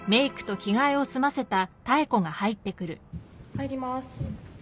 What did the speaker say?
入ります。